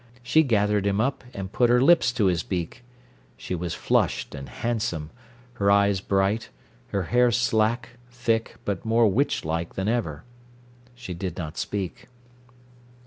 She gathered him up and put her lips to his beak. She was flushed and handsome, her eyes bright, her hair slack, thick, but more witch like than ever. She did not speak.